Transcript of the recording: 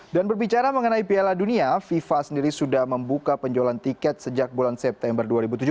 dan berbicara mengenai piala dunia fifa sendiri sudah membuka penjualan tiket sejak bulan september dua ribu tujuh belas